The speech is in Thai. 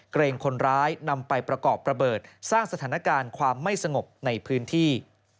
เกรงคนร้ายนำไปประกอบระเบิดสร้างสถานการณ์ความไม่สงบในพื้นที่